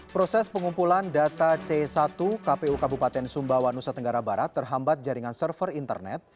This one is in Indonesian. proses pengumpulan data c satu kpu kabupaten sumbawa nusa tenggara barat terhambat jaringan server internet